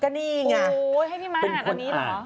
ก็นี่ไงเป็นคนอ่าน